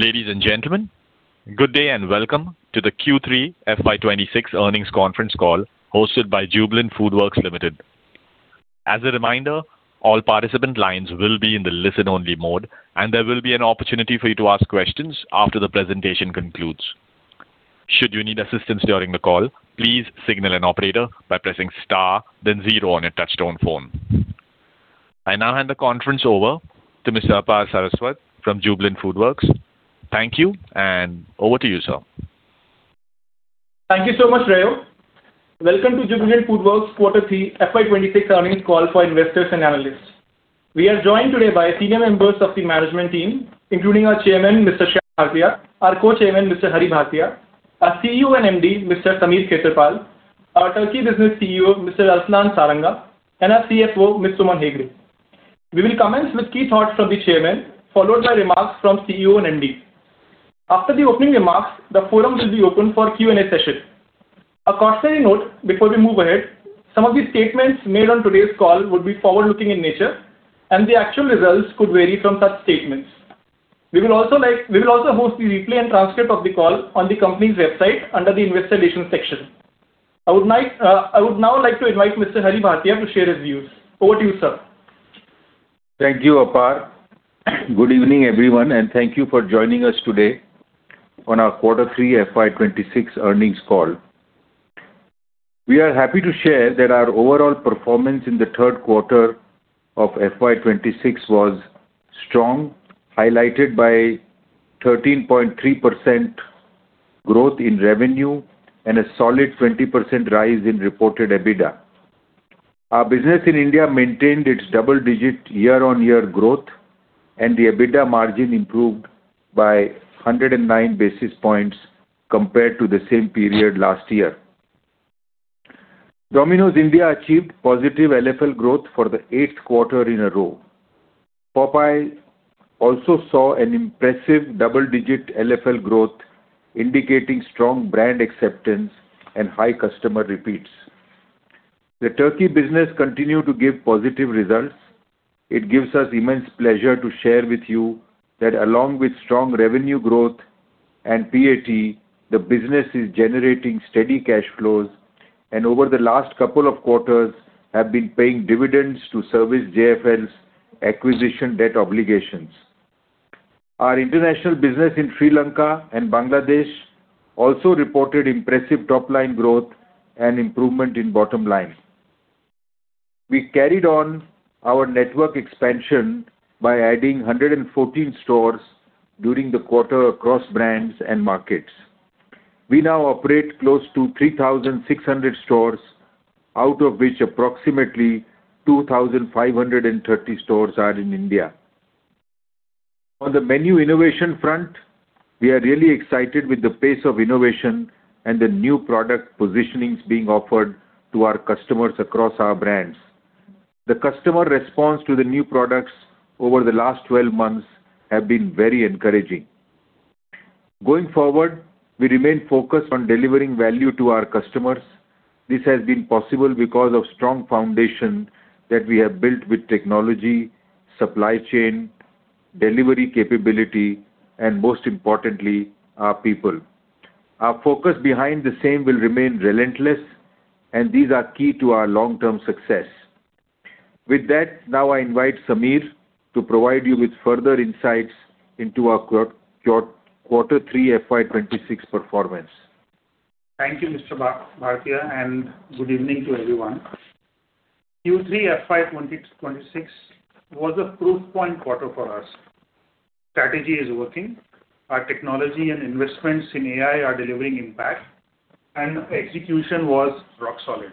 Ladies and gentlemen, good day and welcome to the Q3 FY26 earnings conference call hosted by Jubilant FoodWorks Limited. As a reminder, all participant lines will be in the listen-only mode, and there will be an opportunity for you to ask questions after the presentation concludes. Should you need assistance during the call, please signal an operator by pressing star, then 0 on your touch-tone phone. I now hand the conference over to Mr. Apar Saraswat from Jubilant FoodWorks. Thank you, and over to you, sir. Thank you so much, Rayo. Welcome to Jubilant FoodWorks Q3 FY26 earnings call for investors and analysts. We are joined today by senior members of the management team, including our Chairman, Mr. Shyam S. Bhartia, our Co-Chairman, Mr. Hari S. Bhartia, our CEO and MD, Mr. Sameer Khetarpal, our Turkey business CEO, Mr. Aslan Saranga, and our CFO, Ms. Suman Hegde. We will commence with key thoughts from the Chairman, followed by remarks from CEO and MD. After the opening remarks, the forum will be open for a Q&A session. A cautionary note before we move ahead: some of the statements made on today's call would be forward-looking in nature, and the actual results could vary from such statements. We will also host the replay and transcript of the call on the company's website under the Investor Relations section. I would now like to invite Mr. Hari S. Bhartia to share his views. Over to you, sir. Thank you, Apar. Good evening, everyone, and thank you for joining us today on our Q3 FY26 earnings call. We are happy to share that our overall performance in the third quarter of FY26 was strong, highlighted by 13.3% growth in revenue and a solid 20% rise in reported EBITDA. Our business in India maintained its double-digit year-on-year growth, and the EBITDA margin improved by 109 basis points compared to the same period last year. Domino's India achieved positive LFL growth for the eighth quarter in a row. Popeyes also saw an impressive double-digit LFL growth, indicating strong brand acceptance and high customer repeats. The Turkey business continued to give positive results. It gives us immense pleasure to share with you that along with strong revenue growth and PAT, the business is generating steady cash flows, and over the last couple of quarters have been paying dividends to service JFL's acquisition debt obligations. Our international business in Sri Lanka and Bangladesh also reported impressive top-line growth and improvement in bottom line. We carried on our network expansion by adding 114 stores during the quarter across brands and markets. We now operate close to 3,600 stores, out of which approximately 2,530 stores are in India. On the menu innovation front, we are really excited with the pace of innovation and the new product positionings being offered to our customers across our brands. The customer response to the new products over the last 12 months has been very encouraging. Going forward, we remain focused on delivering value to our customers. This has been possible because of the strong foundation that we have built with technology, supply chain, delivery capability, and most importantly, our people. Our focus behind the same will remain relentless, and these are key to our long-term success. With that, now I invite Sameer to provide you with further insights into our Q3 FY26 performance. Thank you, Mr. Bhartia, and good evening to everyone. Q3 FY26 was a proof-point quarter for us. Strategy is working. Our technology and investments in AI are delivering impact, and execution was rock-solid.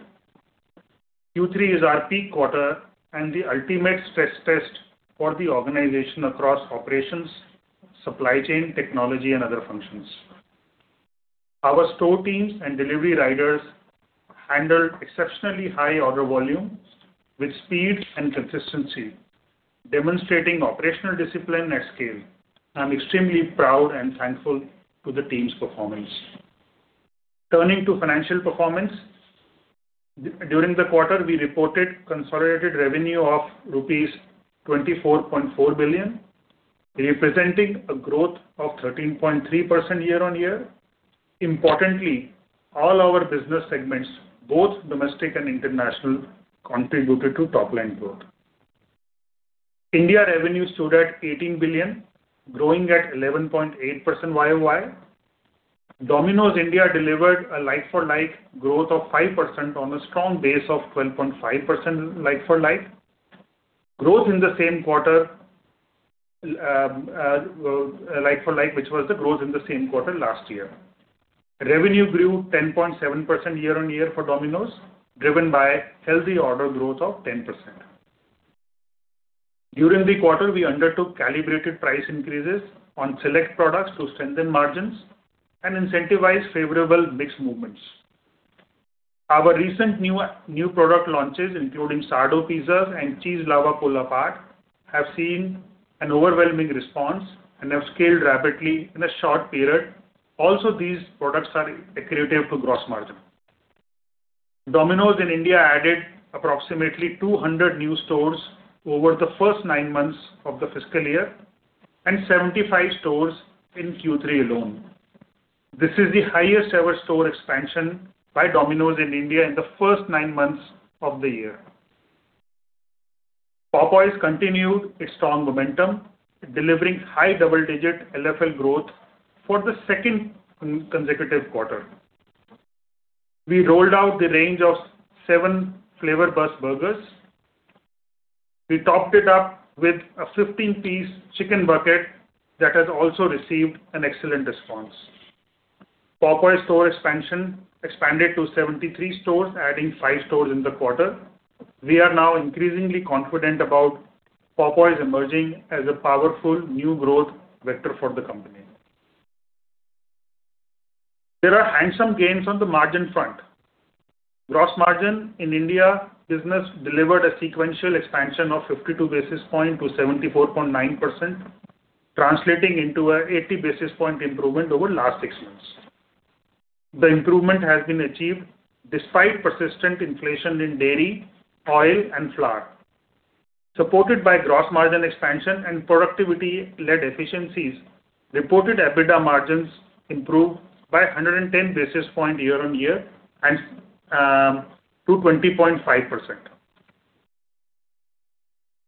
Q3 is our peak quarter and the ultimate stress test for the organization across operations, supply chain, technology, and other functions. Our store teams and delivery riders handled exceptionally high order volume with speed and consistency, demonstrating operational discipline at scale. I'm extremely proud and thankful for the team's performance. Turning to financial performance, during the quarter, we reported consolidated revenue of rupees 24.4 billion, representing a growth of 13.3% year-on-year. Importantly, all our business segments, both domestic and international, contributed to top-line growth. India revenue stood at 18 billion, growing at 11.8% year-on-year. Domino's India delivered a like-for-like growth of 5% on a strong base of 12.5% like-for-like. Growth in the same quarter like-for-like, which was the growth in the same quarter last year. Revenue grew 10.7% year-on-year for Domino's, driven by healthy order growth of 10%. During the quarter, we undertook calibrated price increases on select products to strengthen margins and incentivize favorable mixed movements. Our recent new product launches, including sourdough pizzas and Cheese Lava Pull-Apart, have seen an overwhelming response and have scaled rapidly in a short period. Also, these products are accretive to gross margin. Domino's in India added approximately 200 new stores over the first nine months of the fiscal year and 75 stores in Q3 alone. This is the highest-ever store expansion by Domino's in India in the first nine months of the year. Popeyes continued its strong momentum, delivering high double-digit LFL growth for the second consecutive quarter. We rolled out the range of seven Flavor-Burst Burgers. We topped it up with a 15-piece chicken bucket that has also received an excellent response. Popeyes store expansion expanded to 73 stores, adding five stores in the quarter. We are now increasingly confident about Popeyes emerging as a powerful new growth vector for the company. There are handsome gains on the margin front. Gross margin in India business delivered a sequential expansion of 52 basis points to 74.9%, translating into an 80 basis point improvement over the last six months. The improvement has been achieved despite persistent inflation in dairy, oil, and flour. Supported by gross margin expansion and productivity-led efficiencies, reported EBITDA margins improved by 110 basis points year-on-year to 20.5%.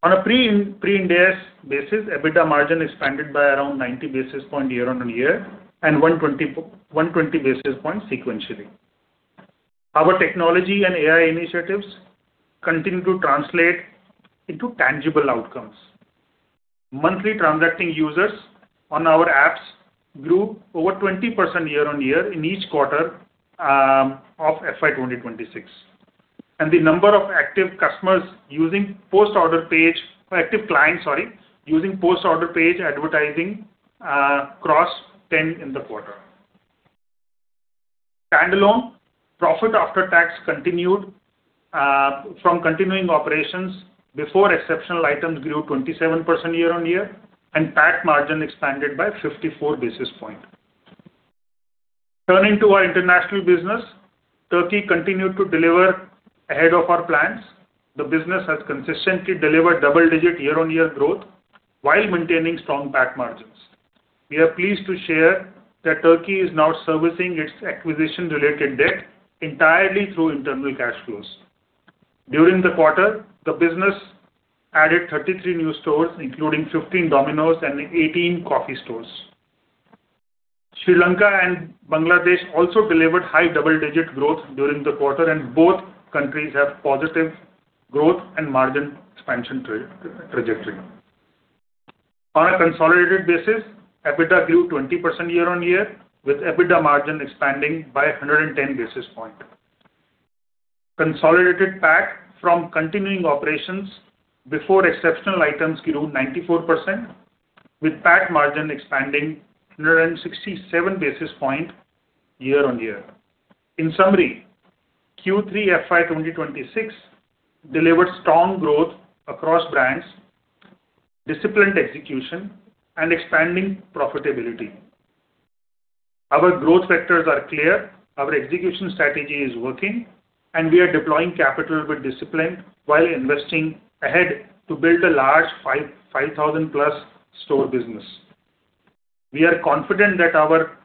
On a Pre-IND AS basis, EBITDA margin expanded by around 90 basis points year-on-year and 120 basis points sequentially. Our technology and AI initiatives continue to translate into tangible outcomes. Monthly transacting users on our apps grew over 20% year-on-year in each quarter of FY26. And the number of active customers using post-order page active clients, sorry, using post-order page advertising crossed 10 in the quarter. Standalone profit after tax continued from continuing operations before exceptional items grew 27% year-on-year, and PAT margin expanded by 54 basis points. Turning to our international business, Turkey continued to deliver ahead of our plans. The business has consistently delivered double-digit year-on-year growth while maintaining strong PAT margins. We are pleased to share that Turkey is now servicing its acquisition-related debt entirely through internal cash flows. During the quarter, the business added 33 new stores, including 15 Domino's and 18 coffee stores. Sri Lanka and Bangladesh also delivered high double-digit growth during the quarter, and both countries have positive growth and margin expansion trajectory. On a consolidated basis, EBITDA grew 20% year-on-year, with EBITDA margin expanding by 110 basis points. Consolidated PAT from continuing operations before exceptional items grew 94%, with PAT margin expanding 167 basis points year-on-year. In summary, Q3 FY26 delivered strong growth across brands, disciplined execution, and expanding profitability. Our growth vectors are clear. Our execution strategy is working, and we are deploying capital with discipline while investing ahead to build a large 5,000-plus store business. We are confident that our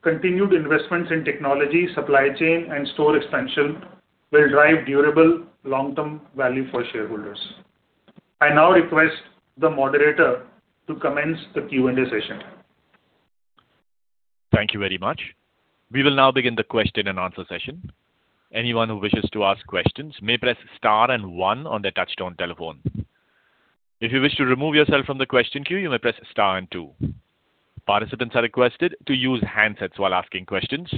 continued investments in technology, supply chain, and store expansion will drive durable long-term value for shareholders. I now request the moderator to commence the Q&A session. Thank you very much. We will now begin the question-and-answer session. Anyone who wishes to ask questions may press star and 1 on their touch-tone telephone. If you wish to remove yourself from the question queue, you may press star and 2. Participants are requested to use handsets while asking questions.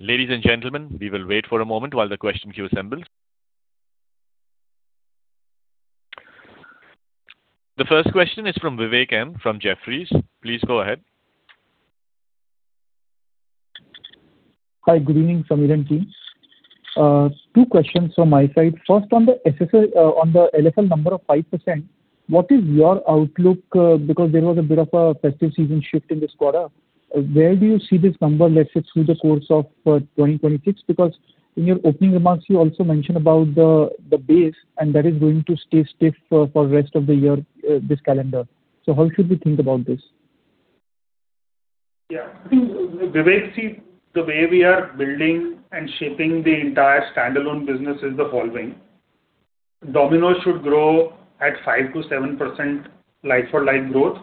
Ladies and gentlemen, we will wait for a moment while the question queue assembles. The first question is from Vivek Maheshwari from Jefferies. Please go ahead. Hi, good evening, Sameer and team. Two questions from my side. First, on the LFL number of 5%, what is your outlook because there was a bit of a festive season shift in this quarter? Where do you see this number, let's say, through the course of 2026? Because in your opening remarks, you also mentioned about the base, and that is going to stay stiff for the rest of the year this calendar. So how should we think about this? Yeah. I think, Vivek, the way we are building and shaping the entire standalone business is the following. Domino's should grow at 5%-7% like-for-like growth.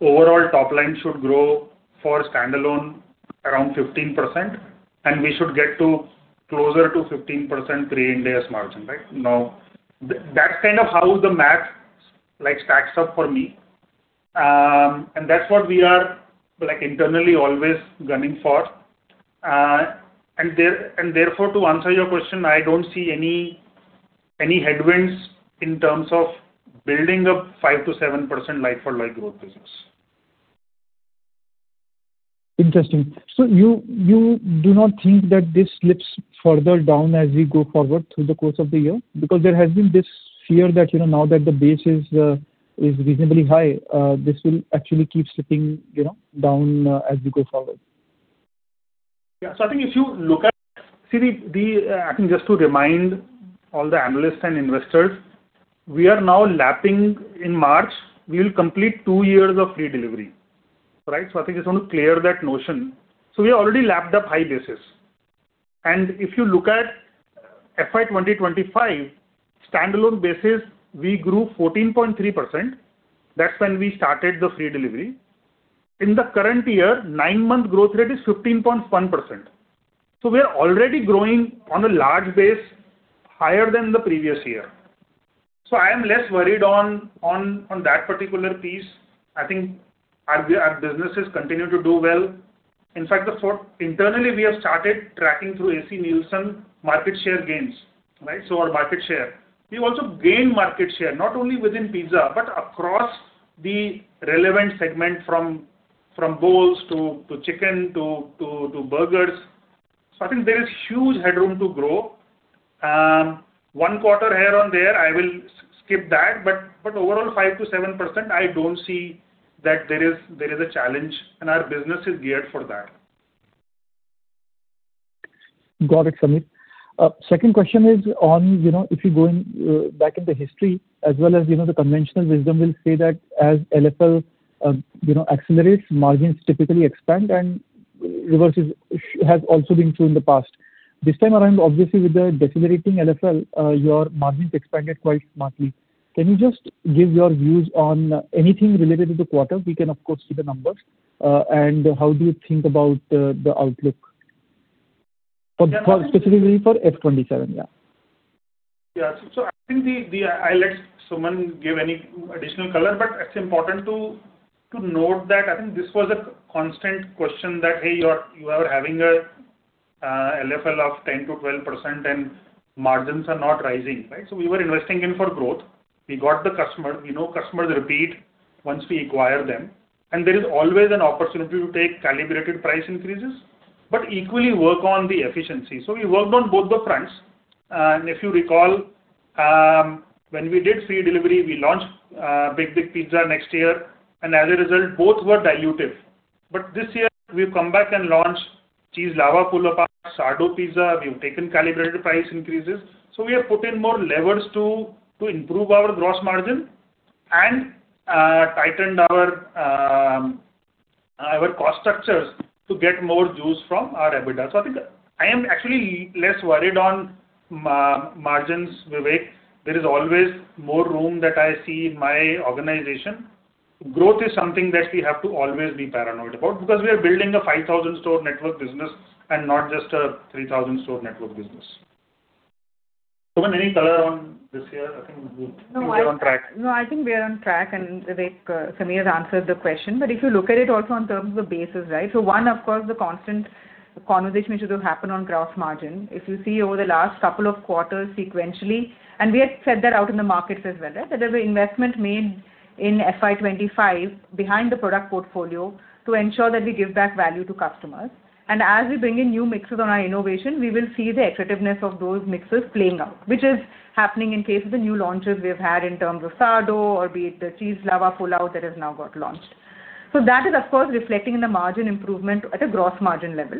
Overall, top-line should grow for standalone around 15%, and we should get closer to 15% pre-index margin, right? Now, that's kind of how the math stacks up for me. And that's what we are internally always gunning for. And therefore, to answer your question, I don't see any headwinds in terms of building a 5%-7% like-for-like growth business. Interesting. So you do not think that this slips further down as we go forward through the course of the year? Because there has been this fear that now that the base is reasonably high, this will actually keep slipping down as we go forward. Yeah. So I think if you look at see, I think just to remind all the analysts and investors, we are now lapping in March. We will complete 2 years of free delivery, right? So I think just want to clear that notion. So we already lapped up high basis. And if you look at FY2025, standalone basis, we grew 14.3%. That's when we started the free delivery. In the current year, 9-month growth rate is 15.1%. So we are already growing on a large base higher than the previous year. So I am less worried on that particular piece. I think our businesses continue to do well. In fact, internally, we have started tracking through AC Nielsen market share gains, right? So our market share, we also gained market share not only within pizza but across the relevant segment from bowls to chicken to burgers. I think there is huge headroom to grow. One quarter here or there, I will skip that. But overall, 5%-7%, I don't see that there is a challenge, and our business is geared for that. Got it, Sameer. Second question is on if you go back in the history, as well as the conventional wisdom will say that as LFL accelerates, margins typically expand, and reverse has also been true in the past. This time around, obviously, with the decelerating LFL, your margins expanded quite smartly. Can you just give your views on anything related to the quarter? We can, of course, see the numbers. And how do you think about the outlook specifically for F27? Yeah. Yeah. So I think I let Suman give any additional color, but it's important to note that I think this was a constant question that, "Hey, you are having an LFL of 10%-12%, and margins are not rising," right? So we were investing in for growth. We got the customer. We know customers repeat once we acquire them. And there is always an opportunity to take calibrated price increases but equally work on the efficiency. So we worked on both the fronts. And if you recall, when we did free delivery, we launched Big Big Pizza next year. And as a result, both were dilutive. But this year, we've come back and launched Cheese Lava Pull-Apart, Sourdough Pizza. We've taken calibrated price increases. So we have put in more levers to improve our gross margin and tightened our cost structures to get more juice from our EBITDA. So I think I am actually less worried on margins, Vivek. There is always more room that I see in my organization. Growth is something that we have to always be paranoid about because we are building a 5,000-store network business and not just a 3,000-store network business. Suman M, any color on this year? I think we are on track. No, I think we are on track. And Sameer has answered the question. But if you look at it also in terms of the basis, right? So one, of course, the constant conversation should happen on gross margin. If you see over the last couple of quarters sequentially and we had set that out in the markets as well, right, that there's an investment made in FY25 behind the product portfolio to ensure that we give back value to customers. And as we bring in new mixes on our innovation, we will see the accretiveness of those mixes playing out, which is happening in case of the new launches we have had in terms of Sourdough or be it the Cheese Lava Pull-Apart that has now got launched. So that is, of course, reflecting in the margin improvement at a gross margin level.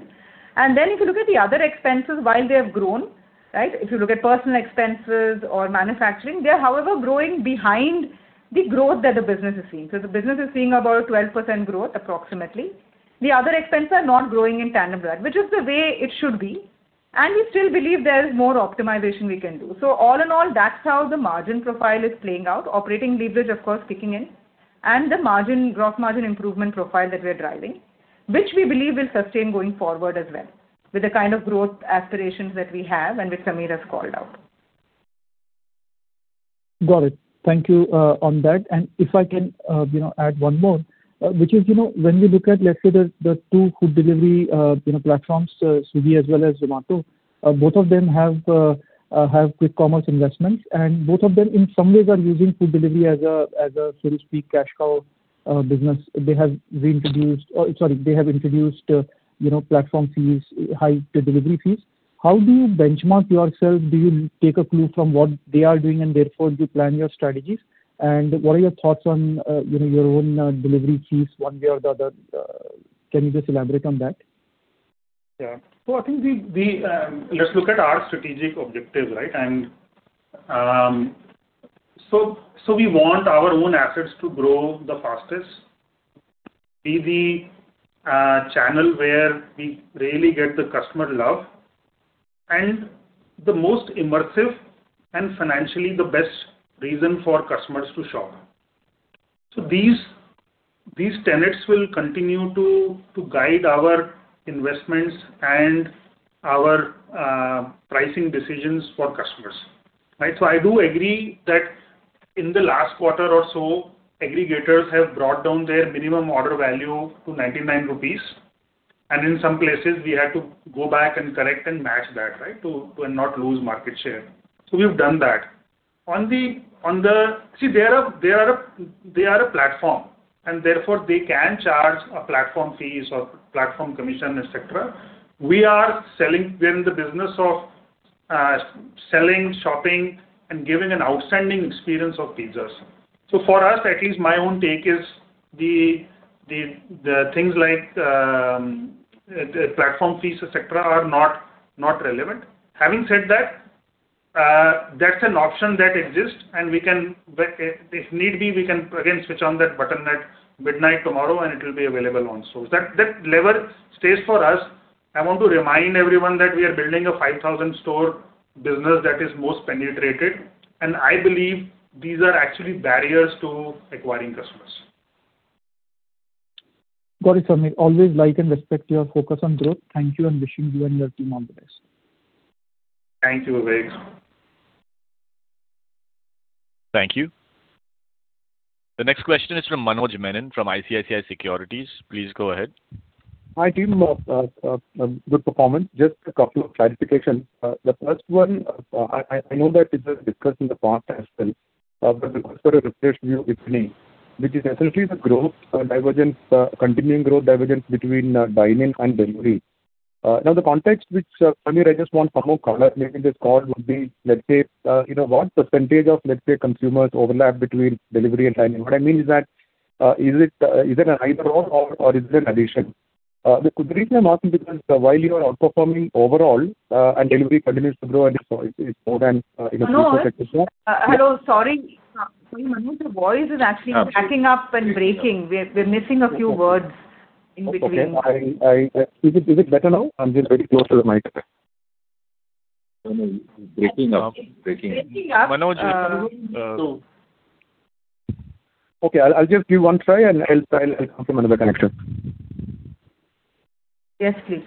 And then if you look at the other expenses, while they have grown, right, if you look at personal expenses or manufacturing, they are, however, growing behind the growth that the business is seeing. So the business is seeing about 12% growth, approximately. The other expenses are not growing in tandem to that, which is the way it should be. And we still believe there is more optimization we can do. So all in all, that's how the margin profile is playing out, operating leverage, of course, kicking in, and the gross margin improvement profile that we are driving, which we believe will sustain going forward as well with the kind of growth aspirations that we have and which Sameer has called out. Got it. Thank you on that. And if I can add one more, which is when we look at, let's say, the two food delivery platforms, Swiggy as well as Zomato, both of them have quick commerce investments. And both of them, in some ways, are using food delivery as a, so to speak, cash cow business. They have reintroduced or sorry, they have introduced platform fees, high delivery fees. How do you benchmark yourself? Do you take a clue from what they are doing, and therefore, do you plan your strategies? And what are your thoughts on your own delivery fees one way or the other? Can you just elaborate on that? Yeah. So I think let's look at our strategic objectives, right? And so we want our own assets to grow the fastest, be the channel where we really get the customer love, and the most immersive and financially the best reason for customers to shop. So these tenets will continue to guide our investments and our pricing decisions for customers, right? So I do agree that in the last quarter or so, aggregators have brought down their minimum order value to 99 rupees. And in some places, we had to go back and correct and match that, right, and not lose market share. So we've done that. On the Z, they are a platform. And therefore, they can charge platform fees or platform commission, etc. We are selling. We're in the business of selling, shopping, and giving an outstanding experience of pizzas. So for us, at least my own take is the things like platform fees, etc., are not relevant. Having said that, that's an option that exists. And if need be, we can, again, switch on that button at midnight tomorrow, and it will be available on stores. That lever stays for us. I want to remind everyone that we are building a 5,000-store business that is most penetrated. And I believe these are actually barriers to acquiring customers. Got it, Sameer. Always like and respect your focus on growth. Thank you and wishing you and your team all the best. Thank you, Vivek. Thank you. The next question is from Manoj Menon from ICICI Securities. Please go ahead. Hi, team. Of good performance. Just a couple of clarifications. The first one, I know that it was discussed in the past as well. But I'll ask for a refreshed view, if any, which is essentially the growth divergence, continuing growth divergence between dining and delivery. Now, the context, which, Sameer, I just want some more color. Maybe this call would be, let's say, what percentage of, let's say, consumers overlap between delivery and dining? What I mean is that, is it an either/or or is it an addition? The reason I'm asking is because while you are outperforming overall and delivery continues to grow, and so it's more than 3%, etc. Hello. Hello. Sorry. Sameer, Manoj, your voice is actually cracking up and breaking. We're missing a few words in between. Okay. Is it better now? I'm just very close to the mic. Breaking up. Breaking up. Breaking up. Manoj, so. Okay. I'll just give one try, and I'll confirm another connection. Yes, please.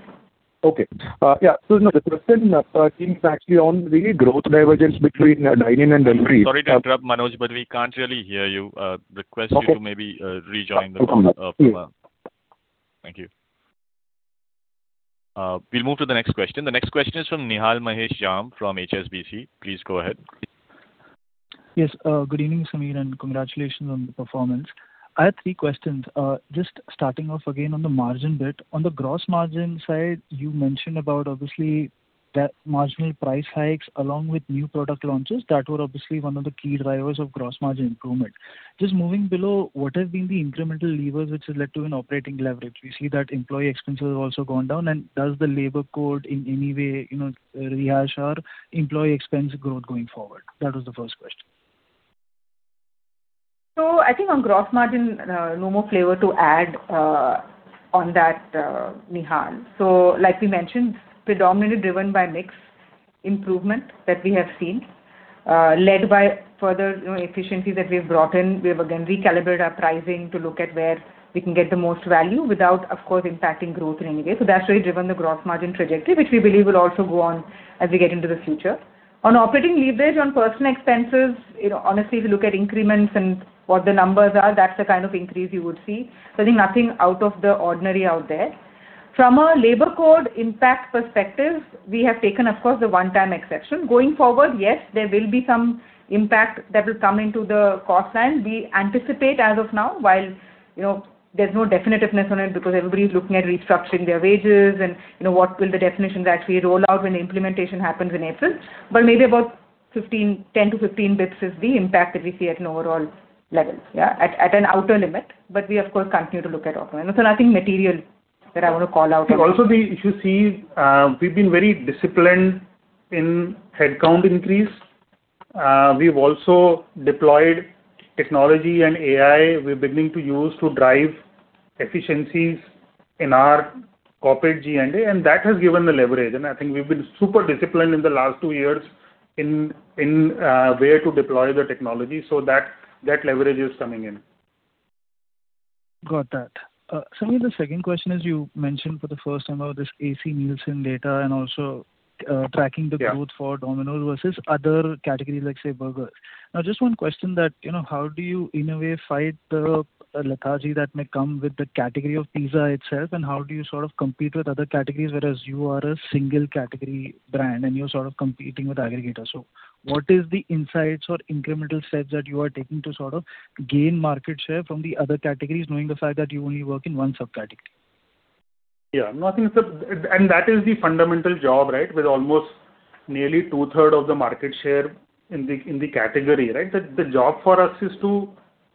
Okay. Yeah. So no, the question seems actually on the growth divergence between dining and delivery. Sorry to interrupt, Manoj, but we can't really hear you. Request you to maybe rejoin the call. No problem. Thank you. We'll move to the next question. The next question is from Nihal Mahesh Jham from HSBC. Please go ahead. Yes. Good evening, Sameer, and congratulations on the performance. I had three questions. Just starting off again on the margin bit, on the gross margin side, you mentioned about, obviously, that marginal price hikes along with new product launches that were, obviously, one of the key drivers of gross margin improvement. Just moving below, what have been the incremental levers which have led to an operating leverage? We see that employee expenses have also gone down. Does the Labour Code in any way rehash our employee expense growth going forward? That was the first question. So I think on gross margin, no more flavor to add on that, Nihal. So like we mentioned, predominantly driven by mix improvement that we have seen, led by further efficiencies that we've brought in. We have, again, recalibrated our pricing to look at where we can get the most value without, of course, impacting growth in any way. So that's where we've driven the gross margin trajectory, which we believe will also go on as we get into the future. On operating leverage, on personnel expenses, honestly, if you look at increments and what the numbers are, that's the kind of increase you would see. So I think nothing out of the ordinary out there. From a labor code impact perspective, we have taken, of course, the one-time exception. Going forward, yes, there will be some impact that will come into the cost line. We anticipate, as of now, while there's no definitiveness on it because everybody is looking at restructuring their wages and what will the definitions actually roll out when implementation happens in April. But maybe about 10-15 basis points is the impact that we see at an overall level, yeah, at an outer limit. But we, of course, continue to look at autonomy. So nothing material that I want to call out on. Also, if you see, we've been very disciplined in headcount increase. We've also deployed technology and AI we're beginning to use to drive efficiencies in our corporate G&A. And that has given the leverage. And I think we've been super disciplined in the last two years in where to deploy the technology. So that leverage is coming in. Got that. Sameer, the second question is you mentioned for the first time about this AC Nielsen data and also tracking the growth for Domino's versus other categories, let's say, burgers. Now, just one question that, how do you, in a way, fight the lethargy that may come with the category of pizza itself? And how do you sort of compete with other categories, whereas you are a single category brand, and you're sort of competing with aggregators? So what is the insights or incremental steps that you are taking to sort of gain market share from the other categories, knowing the fact that you only work in one subcategory? Yeah. No, I think it's, and that is the fundamental job, right, with almost nearly two-thirds of the market share in the category, right? The job for us is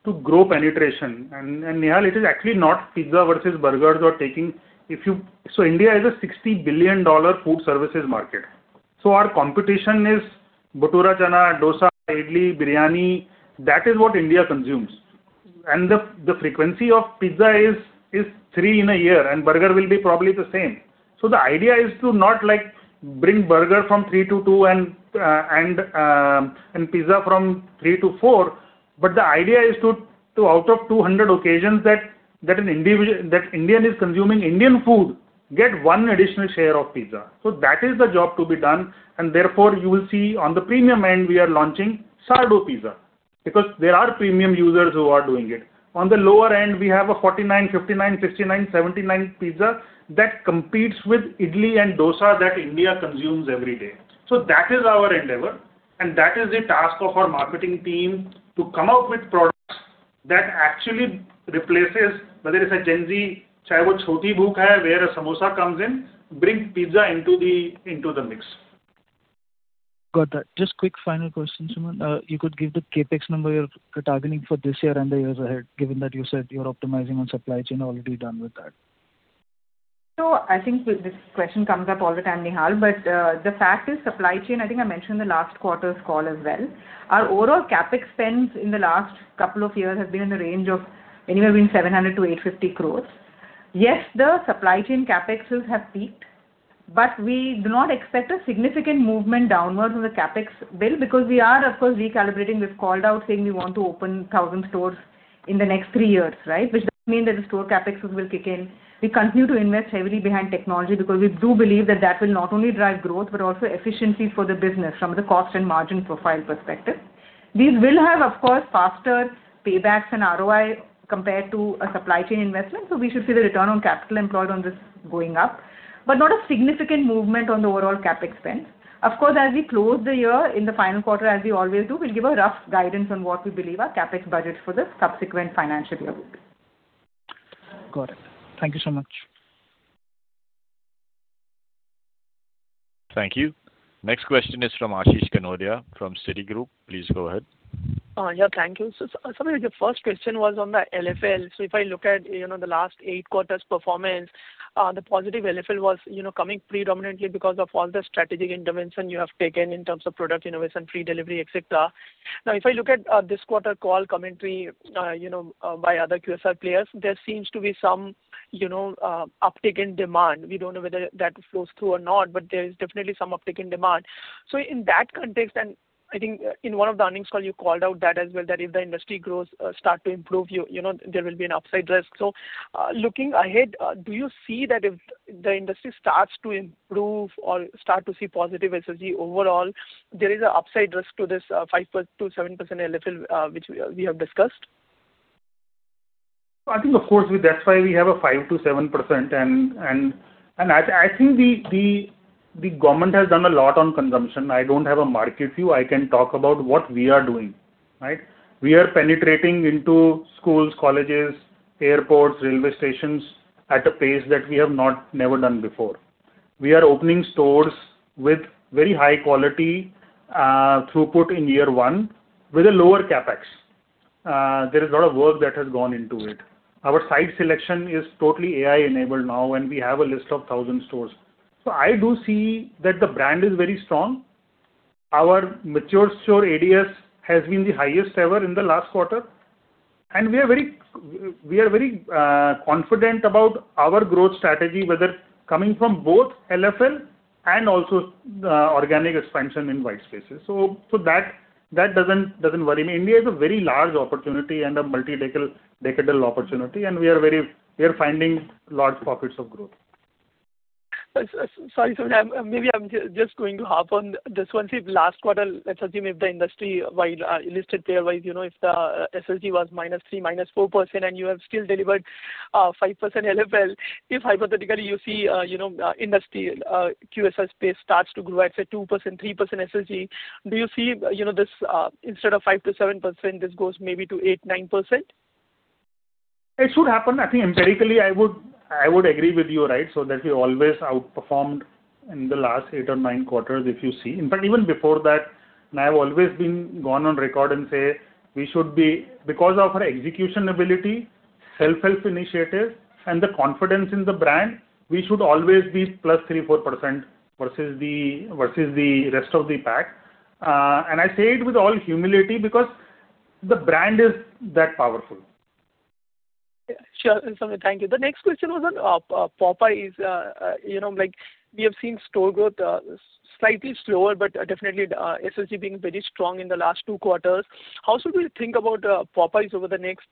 to grow penetration. And Nihal, it is actually not pizza versus burgers or taking if you so. India is a $60 billion food services market. So our competition is bhatura chana, dosa, idli, biryani. That is what India consumes. And the frequency of pizza is three in a year, and burger will be probably the same. So the idea is to not bring burger from three to two and pizza from three to four. But the idea is to, out of 200 occasions that an Indian is consuming Indian food, get one additional share of pizza. So that is the job to be done. Therefore, you will see on the premium end, we are launching Sourdough Pizza because there are premium users who are doing it. On the lower end, we have a 49, 59, 69, 79 pizza that competes with idli and dosa that India consumes every day. That is our endeavor. That is the task of our marketing team to come up with products that actually replaces, whether it's a Gen Z, chai wo chhoti bhuk hai, where a samosa comes in, bring pizza into the mix. Got that. Just quick final question, Suman. You could give the CapEx number you're targeting for this year and the years ahead, given that you said you're optimizing on supply chain, already done with that. So I think this question comes up all the time, Nihal. But the fact is, supply chain, I think I mentioned in the last quarter's call as well, our overall CapEx spends in the last couple of years have been in the range of anywhere between 700-850 crores. Yes, the supply chain CapExs have peaked. But we do not expect a significant movement downwards on the CapEx bill because we are, of course, recalibrating. We've called out, saying we want to open 1,000 stores in the next three years, right, which does mean that the store CapExs will kick in. We continue to invest heavily behind technology because we do believe that that will not only drive growth but also efficiencies for the business from the cost and margin profile perspective. These will have, of course, faster paybacks and ROI compared to a supply chain investment. So we should see the return on capital employed on this going up but not a significant movement on the overall CapEx spends. Of course, as we close the year in the final quarter, as we always do, we'll give a rough guidance on what we believe our CapEx budget for this subsequent financial year will be. Got it. Thank you so much. Thank you. Next question is from Ashish Kanodia from Citigroup. Please go ahead. Yeah. Thank you. Sameer, your first question was on the LFL. So if I look at the last eight quarters' performance, the positive LFL was coming predominantly because of all the strategic interventions you have taken in terms of product innovation, free delivery, etc. Now, if I look at this quarter call commentary by other QSR players, there seems to be some uptick in demand. We don't know whether that flows through or not, but there is definitely some uptick in demand. So in that context and I think in one of the earnings calls, you called out that as well, that if the industry growth starts to improve, there will be an upside risk. Looking ahead, do you see that if the industry starts to improve or start to see positive SSG overall, there is an upside risk to this 5%-7% LFL which we have discussed? I think, of course, that's why we have a 5%-7%. I think the government has done a lot on consumption. I don't have a market view. I can talk about what we are doing, right? We are penetrating into schools, colleges, airports, railway stations at a pace that we have never done before. We are opening stores with very high-quality throughput in year one with a lower CapEx. There is a lot of work that has gone into it. Our site selection is totally AI-enabled now, and we have a list of 1,000 stores. So I do see that the brand is very strong. Our mature store ADS has been the highest ever in the last quarter. And we are very confident about our growth strategy, whether coming from both LFL and also organic expansion in white spaces. So that doesn't worry me. India is a very large opportunity and a multidecadal opportunity. We are finding large pockets of growth. Sorry, Sameer. Maybe I'm just going to harp on this one. See, last quarter, let's assume if the industry-wise, listed player-wise, if the SSG was -3%, -4%, and you have still delivered 5% LFL, if hypothetically, you see industry QSR space starts to grow, let's say, 2%, 3% SSG, do you see this, instead of 5%-7%, this goes maybe to 8%, 9%? It should happen. I think empirically, I would agree with you, right, so that we always outperformed in the last eight or nine quarters, if you see. In fact, even before that, and I have always gone on record and said, because of our execution ability, self-help initiative, and the confidence in the brand, we should always be +3%-4% versus the rest of the pack. And I say it with all humility because the brand is that powerful. Sure. Sameer, thank you. The next question was on Popeyes. We have seen store growth slightly slower but definitely SSG being very strong in the last two quarters. How should we think about Popeyes over the next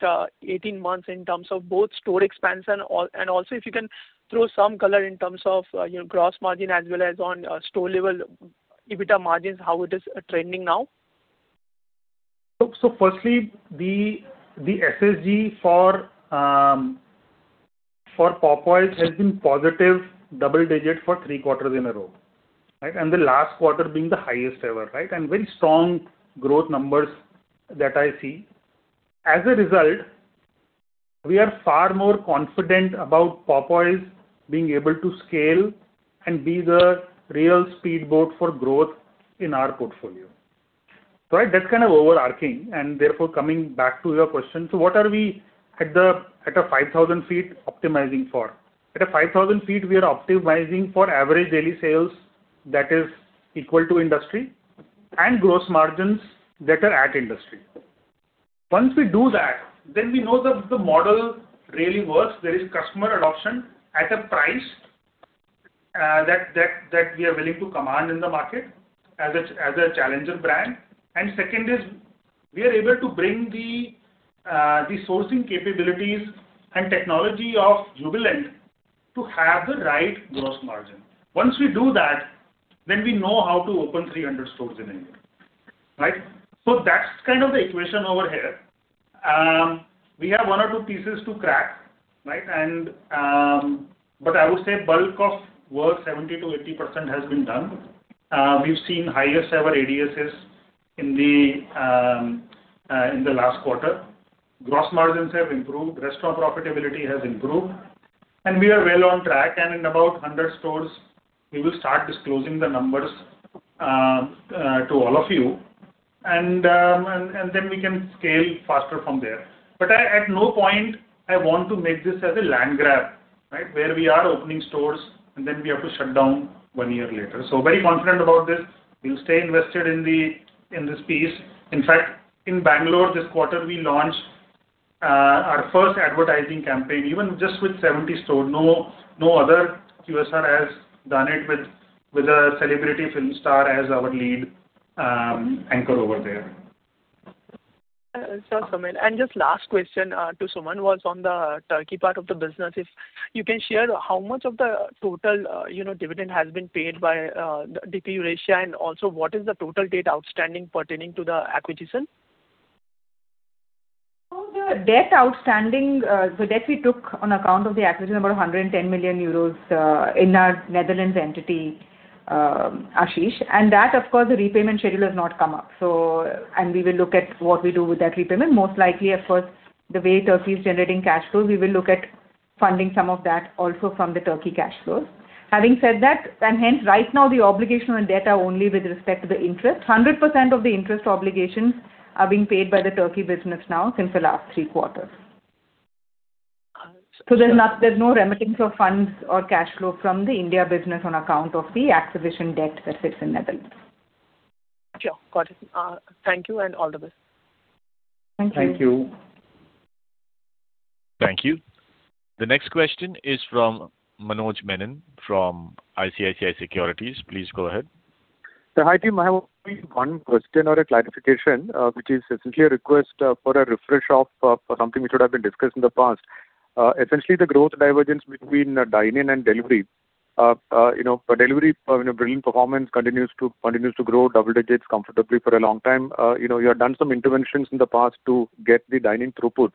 18 months in terms of both store expansion and also, if you can throw some color in terms of gross margin as well as on store-level EBITDA margins, how it is trending now? So firstly, the SSG for Popeyes has been positive, double-digit for 3 quarters in a row, right, and the last quarter being the highest ever, right, and very strong growth numbers that I see. As a result, we are far more confident about Popeyes being able to scale and be the real speedboat for growth in our portfolio. So that's kind of overarching. And therefore, coming back to your question, so what are we, at a 5,000 feet, optimizing for? At a 5,000 feet, we are optimizing for average daily sales that is equal to industry and gross margins that are at industry. Once we do that, then we know that the model really works. There is customer adoption at a price that we are willing to command in the market as a challenger brand. Second is, we are able to bring the sourcing capabilities and technology of Jubilant to have the right gross margin. Once we do that, then we know how to open 300 stores in a year, right? So that's kind of the equation over here. We have one or two pieces to crack, right? But I would say bulk of work, 70%-80%, has been done. We've seen highest-ever ADSs in the last quarter. Gross margins have improved. Restaurant profitability has improved. And we are well on track. And in about 100 stores, we will start disclosing the numbers to all of you. And then we can scale faster from there. But at no point, I want to make this as a land grab, right, where we are opening stores, and then we have to shut down one year later. So very confident about this. We'll stay invested in this piece. In fact, in Bangalore, this quarter, we launched our first advertising campaign even just with 70 stores. No other QSR has done it with a celebrity film star as our lead anchor over there. It's awesome, Sameer. Just last question to Suman was on the Turkey part of the business. If you can share how much of the total dividend has been paid by DP Eurasia, and also, what is the total debt outstanding pertaining to the acquisition? So the debt outstanding, the debt we took on account of the acquisition, about 110 million euros in our Netherlands entity, Ashish. And that, of course, the repayment schedule has not come up. And we will look at what we do with that repayment. Most likely, of course, the way Turkey is generating cash flow, we will look at funding some of that also from the Turkey cash flows. Having said that, and hence, right now, the obligational debt are only with respect to the interest. 100% of the interest obligations are being paid by the Turkey business now since the last three quarters. So there's no remittance of funds or cash flow from the India business on account of the acquisition debt that sits in Netherlands. Sure. Got it. Thank you. All the best. Thank you. Thank you. Thank you. The next question is from Manoj Menon from ICICI Securities. Please go ahead. Hi team. I have one question or a clarification, which is essentially a request for a refresh of something which would have been discussed in the past. Essentially, the growth divergence between dining and delivery. For delivery, brilliant performance continues to grow double digits comfortably for a long time. You have done some interventions in the past to get the dining throughput.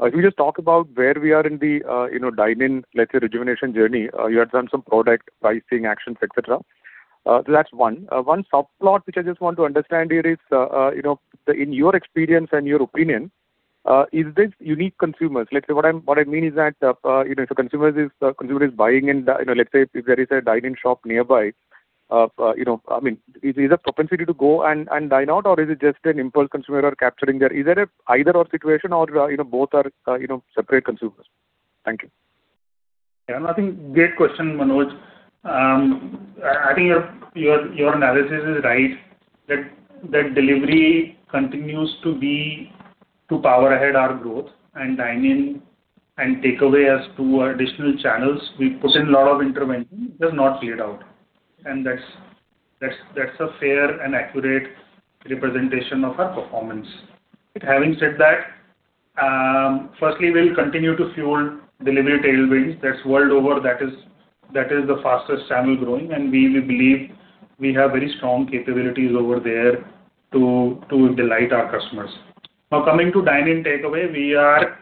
If you just talk about where we are in the dining, let's say, rejuvenation journey, you have done some product pricing actions, etc. That's one. One subplot which I just want to understand here is, in your experience and your opinion, is this unique consumers? Let's say what I mean is that if a consumer is buying in, let's say, if there is a dining shop nearby, I mean, is there a propensity to go and dine out, or is it just an impulse consumer capturing there? Is there an either/or situation, or both are separate consumers? Thank you. Yeah. No, I think great question, Manoj. I think your analysis is right, that delivery continues to power ahead our growth. Dining and takeaway as two additional channels, we put in a lot of intervention. It has not cleared out. That's a fair and accurate representation of our performance. Having said that, firstly, we'll continue to fuel delivery tailwinds. That's world over. That is the fastest channel growing. We believe we have very strong capabilities over there to delight our customers. Now, coming to dining takeaway, we are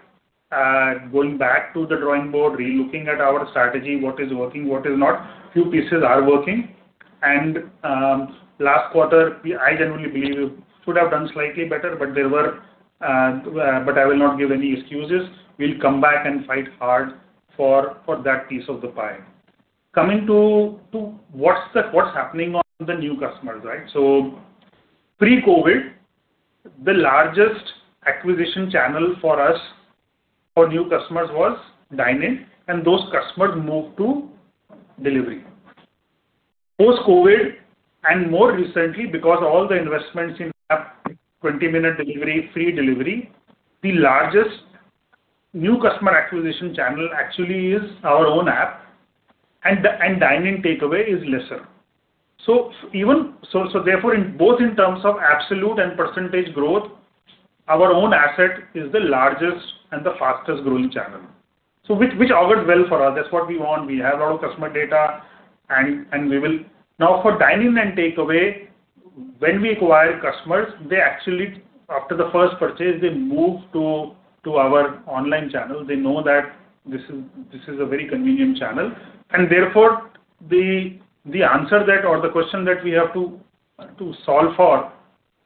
going back to the drawing board, relooking at our strategy, what is working, what is not. Few pieces are working. And last quarter, I generally believe we should have done slightly better, but there were, but I will not give any excuses. We'll come back and fight hard for that piece of the pie. Coming to what's happening on the new customers, right? So pre-COVID, the largest acquisition channel for us for new customers was dining. And those customers moved to delivery. Post-COVID, and more recently, because all the investments in app, 20-minute delivery, free delivery, the largest new customer acquisition channel actually is our own app. And dining takeaway is lesser. So therefore, both in terms of absolute and percentage growth, our own asset is the largest and the fastest growing channel, which augurs well for us. That's what we want. We have a lot of customer data. Now, for dining and takeaway, when we acquire customers, after the first purchase, they move to our online channel. They know that this is a very convenient channel. Therefore, the answer or the question that we have to solve for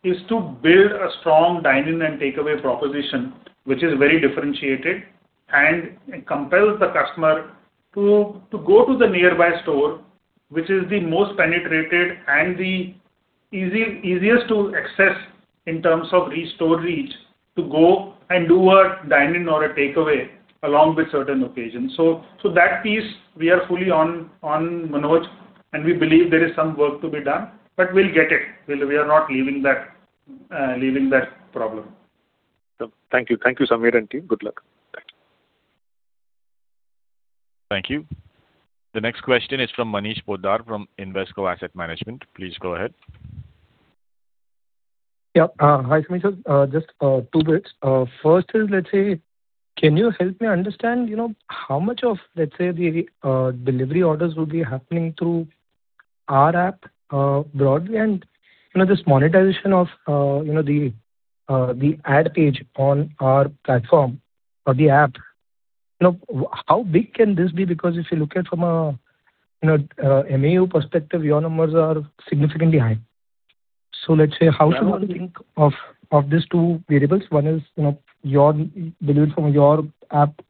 is to build a strong dining and takeaway proposition which is very differentiated and compels the customer to go to the nearby store, which is the most penetrated and the easiest to access in terms of store reach, to go and do a dining or a takeaway along with certain occasions. So that piece, we are fully on, Manoj. We believe there is some work to be done. But we'll get it. We are not leaving that problem. Thank you. Thank you, Sameer and team. Good luck. Thank you. The next question is from Manish Poddar from Invesco Asset Management. Please go ahead. Yeah. Hi, Sameer. Just two bits. First is, let's say, can you help me understand how much of, let's say, the delivery orders will be happening through our app broadly and this monetization of the ad page on our platform or the app? How big can this be? Because if you look at it from an MAU perspective, your numbers are significantly high. So let's say, how should we think of these two variables? One is from your app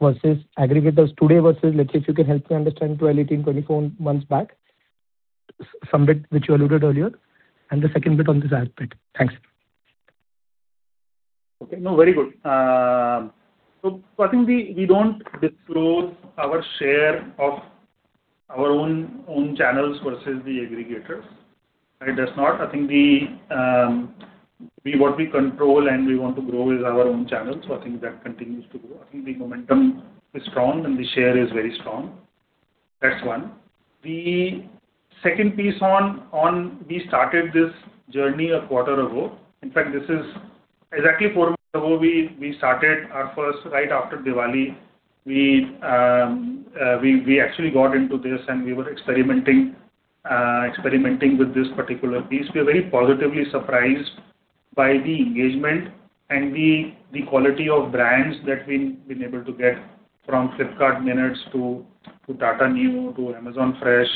versus aggregators today versus, let's say, if you can help me understand 12, 18, 24 months back, some bit which you alluded earlier, and the second bit on this ad bit. Thanks. Okay. No, very good. So I think we don't disclose our share of our own channels versus the aggregators, right? I think what we control and we want to grow is our own channels. So I think that continues to grow. I think the momentum is strong, and the share is very strong. That's one. The second piece on we started this journey a quarter ago. In fact, this is exactly 4 months ago. We started our first right after Diwali. We actually got into this, and we were experimenting with this particular piece. We are very positively surprised by the engagement and the quality of brands that we've been able to get from Flipkart Minutes to Tata Neu, to Amazon Fresh,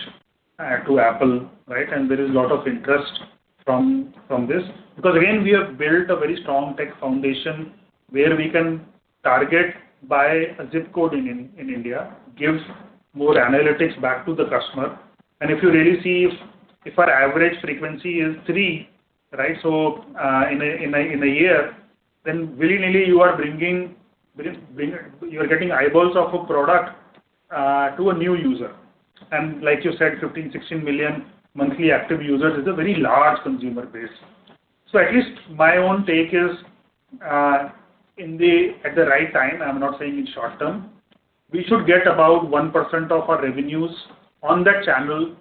to Apple, right? There is a lot of interest from this because, again, we have built a very strong tech foundation where we can target by a zip code in India, give more analytics back to the customer. If you really see if our average frequency is 3, right, so in a year, then willy-nilly, you are getting eyeballs of a product to a new user. Like you said, 15-16 million monthly active users is a very large consumer base. So at least my own take is, at the right time, I'm not saying in short term, we should get about 1% of our revenues on that channel.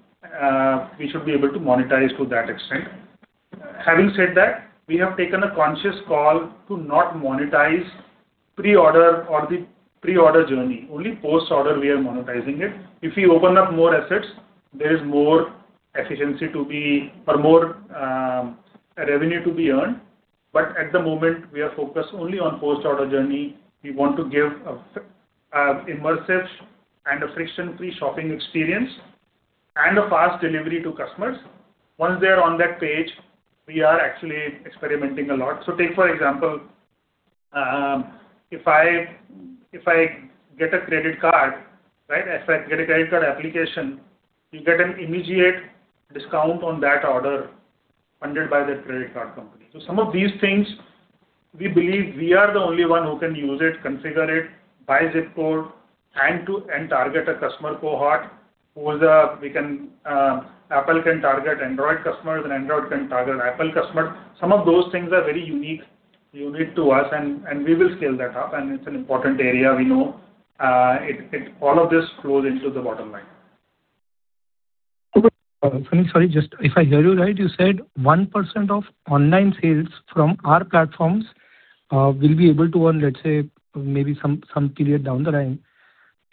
We should be able to monetize to that extent. Having said that, we have taken a conscious call to not monetize pre-order or the pre-order journey. Only post-order, we are monetizing it. If we open up more assets, there is more efficiency to be or more revenue to be earned. But at the moment, we are focused only on post-order journey. We want to give an immersive and a friction-free shopping experience and a fast delivery to customers. Once they are on that page, we are actually experimenting a lot. So take, for example, if I get a credit card, right, if I get a credit card application, you get an immediate discount on that order funded by that credit card company. So some of these things, we believe we are the only one who can use it, configure it, by zip code, and target a customer cohort. Apple can target Android customers, and Android can target Apple customers. Some of those things are very unique unique to us. And we will scale that up. And it's an important area. We know all of this flows into the bottom line. Sameer, sorry, just if I hear you right, you said 1% of online sales from our platforms will be able to earn, let's say, maybe some period down the line.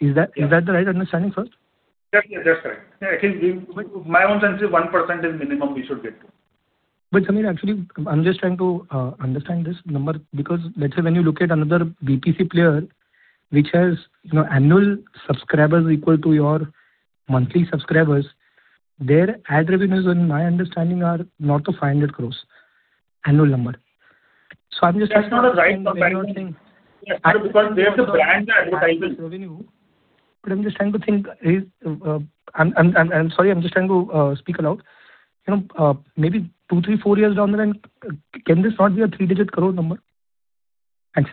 Is that the right understanding first? Yeah, yeah, that's correct. I think my own sense, 1% is minimum we should get to. But Sameer, actually, I'm just trying to understand this number because let's say when you look at another BPC player which has annual subscribers equal to your monthly subscribers, their ad revenues, in my understanding, are not the 500 crore annual number. So I'm just trying to think. That's not a right comparison. Yes, because they have the brand advertising. Revenue. But I'm just trying to think. I'm sorry, I'm just trying to speak aloud. Maybe 2, 3, 4 years down the line, can this not be a three-digit crore number? Thanks.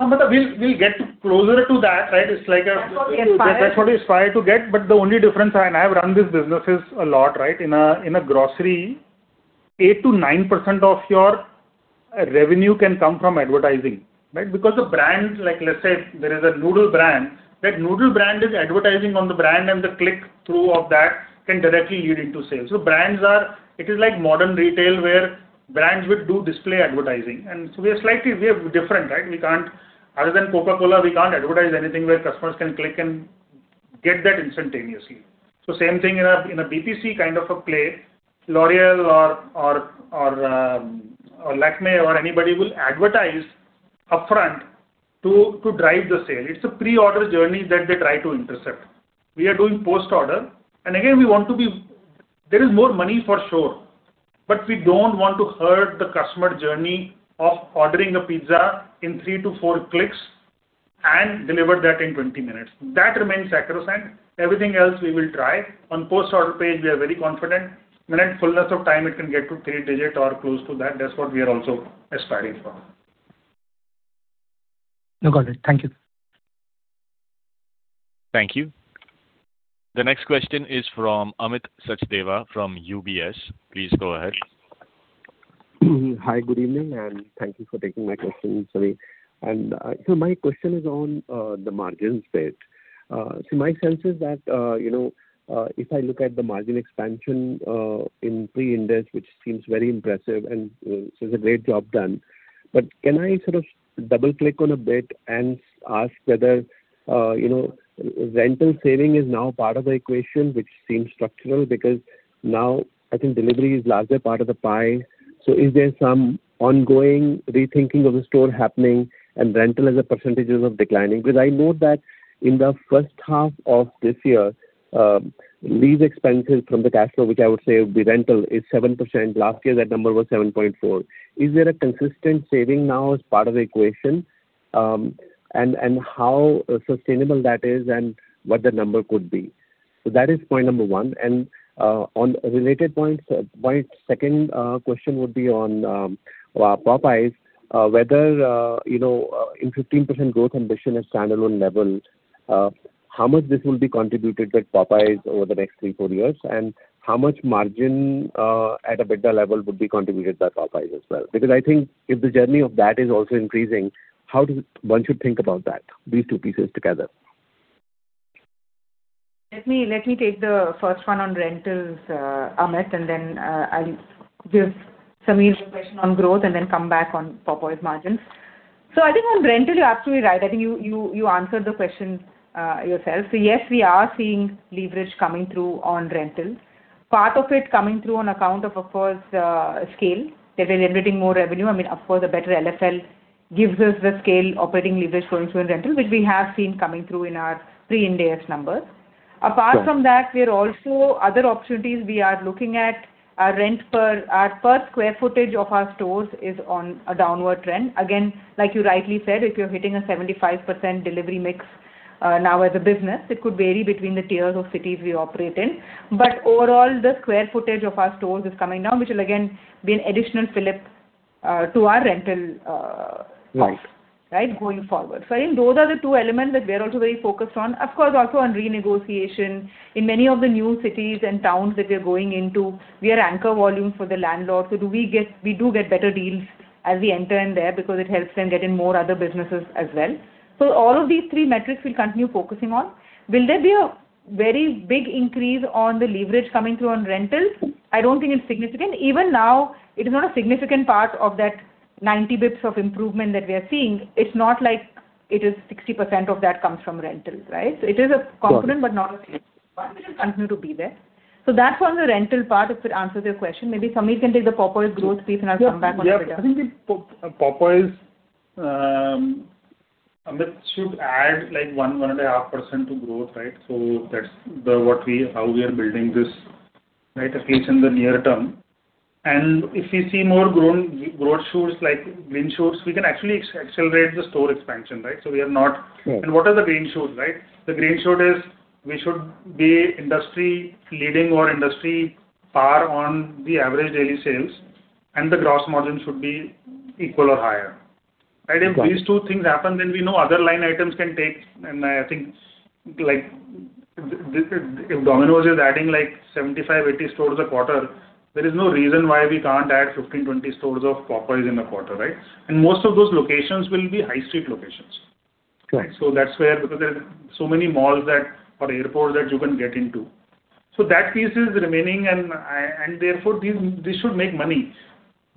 No, but we'll get closer to that, right? It's like a. That's what we aspire. That's what we aspire to get. But the only difference, and I have run these businesses a lot, right, in a grocery, 8%-9% of your revenue can come from advertising, right? Because the brand, let's say, there is a noodle brand. That noodle brand is advertising on the brand, and the click-through of that can directly lead into sales. So it is like modern retail where brands would do display advertising. And so we are slightly we are different, right? Other than Coca-Cola, we can't advertise anything where customers can click and get that instantaneously. So same thing in a VPC kind of a play. L'Oréal or Lakmé or anybody will advertise upfront to drive the sale. It's a pre-order journey that they try to intercept. We are doing post-order. And again, we want to be there is more money for sure. But we don't want to hurt the customer journey of ordering a pizza in 3-4 clicks and deliver that in 20 minutes. That remains sacrosanct. Everything else, we will try. On post-order page, we are very confident. In the fullness of time, it can get to 3 digits or close to that. That's what we are also aspiring for. No, got it. Thank you. Thank you. The next question is from Amit Sachdeva from UBS. Please go ahead. Hi. Good evening. Thank you for taking my question, Sameer. So my question is on the margins bit. So my sense is that if I look at the margin expansion in pre-IND AS 116, which seems very impressive, and so it's a great job done. But can I sort of double-click on a bit and ask whether rental saving is now part of the equation, which seems structural because now, I think, delivery is a larger part of the pie? So is there some ongoing rethinking of the store happening, and rental as a percentage is declining? Because I know that in the first half of this year, lease expenses from the cash flow, which I would say would be rental, is 7%. Last year, that number was 7.4%. Is there a consistent saving now as part of the equation? How sustainable that is and what the number could be? That is point number one. On related points, my second question would be on Popeyes, whether in 15% growth ambition at standalone level, how much this will be contributed with Popeyes over the next 3-4 years, and how much margin at an EBITDA level would be contributed by Popeyes as well? Because I think if the journey of that is also increasing, one should think about these two pieces together. Let me take the first one on rentals, Amit. Then I'll give Sameer a question on growth and then come back on Popeyes margins. So I think on rental, you're absolutely right. I think you answered the question yourself. So yes, we are seeing leverage coming through on rentals, part of it coming through on account of, of course, scale. They're generating more revenue. I mean, of course, a better LFL gives us the scale operating leverage going through in rental, which we have seen coming through in our pre-IND AS 116 numbers. Apart from that, other opportunities we are looking at, our rent per square footage of our stores is on a downward trend. Again, like you rightly said, if you're hitting a 75% delivery mix now as a business, it could vary between the tiers of cities we operate in. But overall, the square footage of our stores is coming down, which will, again, be an additional flip to our rental market, right, going forward. So I think those are the two elements that we are also very focused on, of course, also on renegotiation. In many of the new cities and towns that we are going into, we are anchor volume for the landlord. So we do get better deals as we enter in there because it helps them get in more other businesses as well. So all of these three metrics we'll continue focusing on. Will there be a very big increase on the leverage coming through on rentals? I don't think it's significant. Even now, it is not a significant part of that 90 basis points of improvement that we are seeing. It's not like it is 60% of that comes from rentals, right? So it is a component but not a significant one which will continue to be there. So that's on the rental part if it answers your question. Maybe Sameer can take the Popeyes growth piece, and I'll come back on the Dunkin' side. Yeah. I think Amit should add like 1.5% to growth, right? So that's how we are building this, right, at least in the near term. And if we see more growth shows like green shows, we can actually accelerate the store expansion, right? So we are not and what are the green shows, right? The green show is we should be industry-leading or industry par on the average daily sales, and the gross margin should be equal or higher, right? If these two things happen, then we know other line items can take and I think if Domino's is adding like 75-80 stores a quarter, there is no reason why we can't add 15-20 stores of Popeyes in a quarter, right? And most of those locations will be high-street locations. So that's where, because there are so many malls or airports that you can get into. So that piece is remaining, and therefore, this should make money.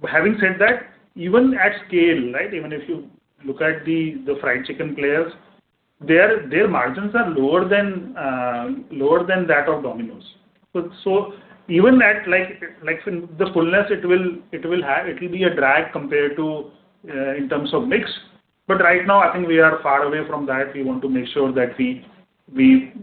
Having said that, even at scale, right, even if you look at the fried chicken players, their margins are lower than that of Domino's. So even at the fullness, it will be a drag compared to in terms of mix. But right now, I think we are far away from that. We want to make sure that we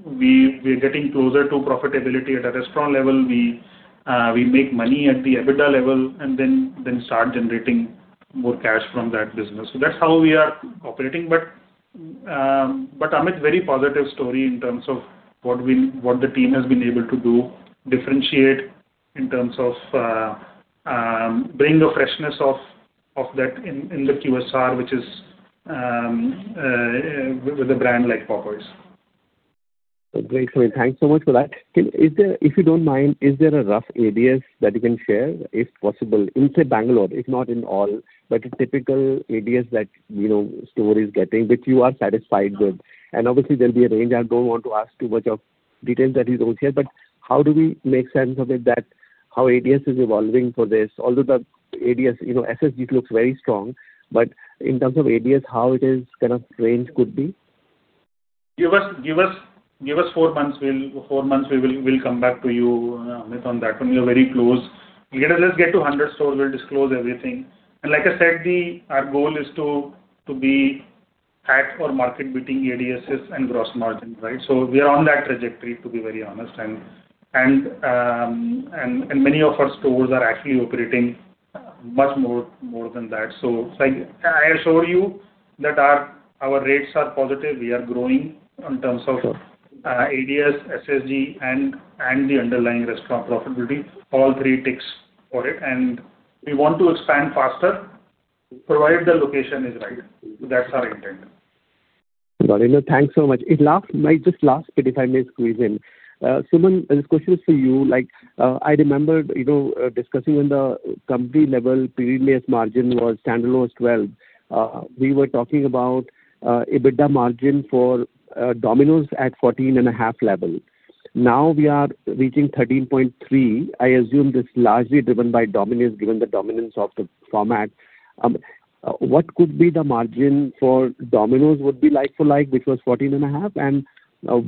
are getting closer to profitability at a restaurant level. We make money at the EBITDA level and then start generating more cash from that business. So that's how we are operating. But Amit, very positive story in terms of what the team has been able to do, differentiate in terms of bringing the freshness of that in the QSR, which is with a brand like Popeyes. So great, Sameer. Thanks so much for that. If you don't mind, is there a rough ADS that you can share, if possible? Instead, Bangalore, if not in all, but a typical ADS that a store is getting, which you are satisfied with. And obviously, there'll be a range. I don't want to ask too much of details that you don't share. But how do we make sense of it, how ADS is evolving for this? Although the ADS, SSG, looks very strong. But in terms of ADS, how it is going to range could be? Give us four months. Four months, we will come back to you, Amit, on that one. We are very close. Let's get to 100 stores. We'll disclose everything. And like I said, our goal is to be at or market beating ADSs and gross margin, right? So we are on that trajectory, to be very honest. And many of our stores are actually operating much more than that. So I assured you that our rates are positive. We are growing in terms of ADS, SSG, and the underlying restaurant profitability, all three ticks for it. And we want to expand faster provided the location is right. That's our intent. Got it. No, thanks so much. Just last bit, if I may squeeze in. Suman, this question is for you. I remember discussing when the company-level EBITDA margin was standalone as well. We were talking about EBITDA margin for Domino's at 14.5% level. Now, we are reaching 13.3%. I assume this is largely driven by Domino's given the dominance of the format. What could be the margin for Domino's would be like-for-like, which was 14.5%? And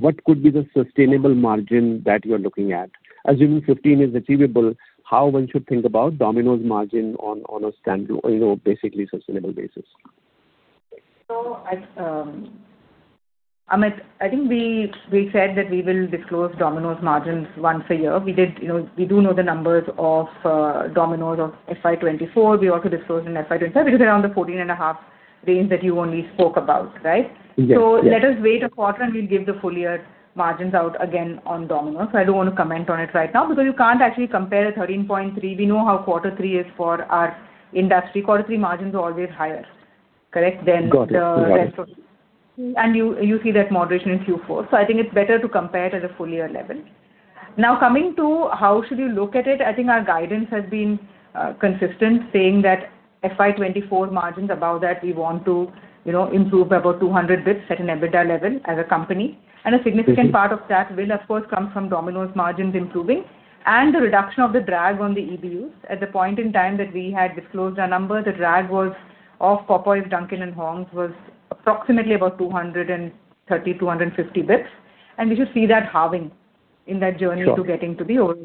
what could be the sustainable margin that you're looking at? Assuming 15% is achievable, how one should think about Domino's margin on a basically sustainable basis? So Amit, I think we said that we will disclose Domino's margins once a year. We do know the numbers of Domino's of FY2024. We also disclosed in FY2025. It is around the 14.5 range that you only spoke about, right? So let us wait a quarter, and we'll give the full year margins out again on Domino's. So I don't want to comment on it right now because you can't actually compare the 13.3. We know how quarter three is for our industry. Quarter three margins are always higher, correct, than the rest of the and you see that moderation in Q4. So I think it's better to compare it at a full year level. Now, coming to how should you look at it, I think our guidance has been consistent saying that FY24 margins above that, we want to improve by about 200 basis points at an EBITDA level as a company. And a significant part of that will, of course, come from Domino's margins improving and the reduction of the drag on the EBITDA. At the point in time that we had disclosed our numbers, the drag of Popeyes, Dunkin', and Hong's was approximately about 230-250 basis points. And we should see that halving in that journey to getting to the overall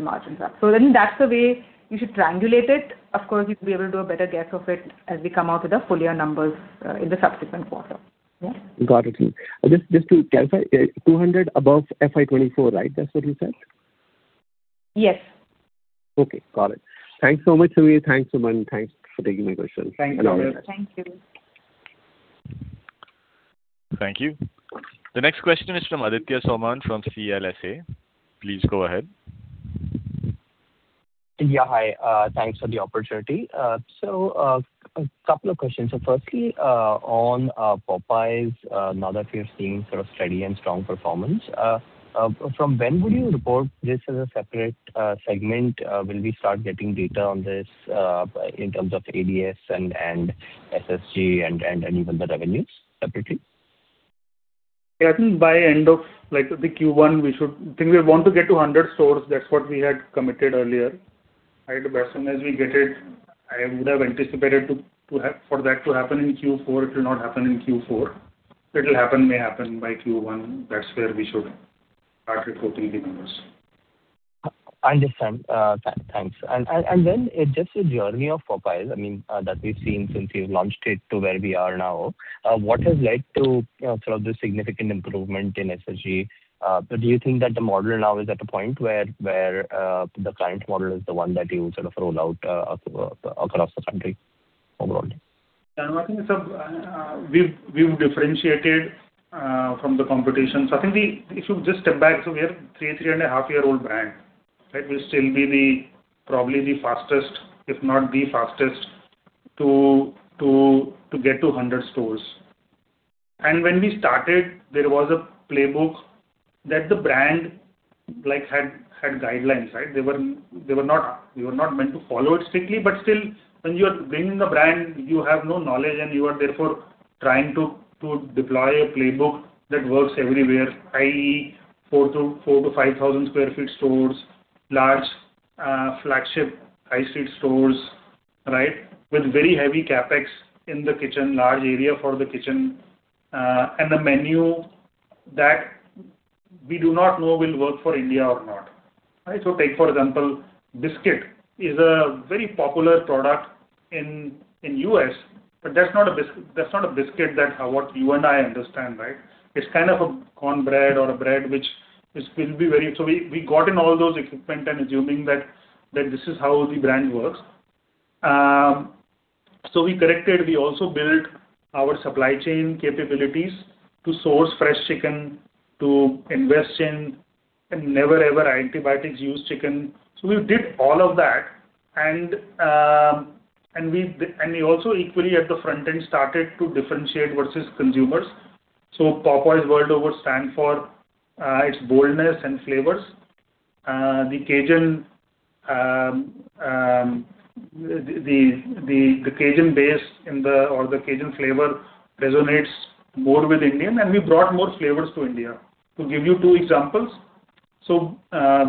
margins up. So I think that's the way you should triangulate it. Of course, you'll be able to do a better guess of it as we come out with the full year numbers in the subsequent quarter. Yeah? Got it. Just to clarify, 200 above FY2024, right? That's what you said? Yes. Okay. Got it. Thanks so much, Sameer. Thanks, Suman. Thanks for taking my question. Thank you. Another one. Thank you. Thank you. The next question is from Aditya Soman from CLSA. Please go ahead. Yeah. Hi. Thanks for the opportunity. A couple of questions. Firstly, on Popeyes, now that we are seeing sort of steady and strong performance, from when would you report this as a separate segment? Will we start getting data on this in terms of ADS and SSG and even the revenues separately? Yeah. I think by the end of the Q1, we should I think we want to get to 100 stores. That's what we had committed earlier, right? But as soon as we get it, I would have anticipated for that to happen in Q4. It will not happen in Q4. If it will happen, may happen by Q1. That's where we should start reporting the numbers. I understand. Thanks. And then just the journey of Popeyes, I mean, that we've seen since you've launched it to where we are now, what has led to sort of this significant improvement in SSG? Do you think that the model now is at a point where the current model is the one that you sort of roll out across the country overall? Yeah. No, I think we've differentiated from the competition. So I think if you just step back, so we are a 3-3.5-year-old brand, right? We'll still be probably the fastest, if not the fastest, to get to 100 stores. And when we started, there was a playbook that the brand had guidelines, right? We were not meant to follow it strictly. But still, when you are bringing a brand, you have no knowledge, and you are, therefore, trying to deploy a playbook that works everywhere, i.e., 4-5 thousand sq ft stores, large flagship high-street stores, right, with very heavy CapEx in the kitchen, large area for the kitchen, and a menu that we do not know will work for India or not, right? So take, for example, biscuit is a very popular product in the U.S. But that's not a biscuit that's what you and I understand, right? It's kind of a cornbread or a bread which will be very so we got in all those equipment and assuming that this is how the brand works. So we corrected. We also built our supply chain capabilities to source fresh chicken, to invest in and never, ever antibiotics-used chicken. So we did all of that. And we also equally at the front end started to differentiate versus consumers. So Popeyes world over stands for its boldness and flavors. The Cajun base or the Cajun flavor resonates more with Indian. And we brought more flavors to India. To give you two examples, so